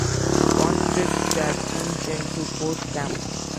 Conscripts were soon sent to both camps.